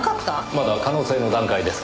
まだ可能性の段階ですが。